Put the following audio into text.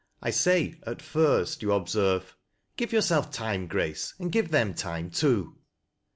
I say ' at first,' you observe. Give j ourself time, Grace, and give them time too."